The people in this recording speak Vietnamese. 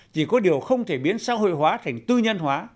chỉ có điều không thể biến xã hội hóa thành tư nhân hóa